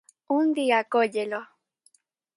Un día cóllelo.